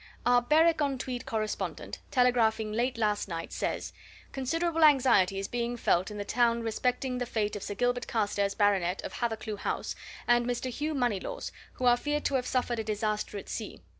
"Our Berwick on Tweed correspondent, telegraphing late last night, says: Considerable anxiety is being felt in the town respecting the fate of Sir Gilbert Carstairs, Bart., of Hathercleugh House, and Mr. Hugh Moneylaws, who are feared to have suffered a disaster at sea.